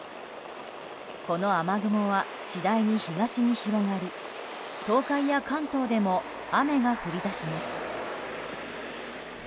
この雨雲は次第に東に広がり東海や関東でも雨が降り出します。